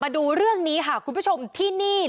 ดูเรื่องนี้ค่ะคุณผู้ชมที่นี่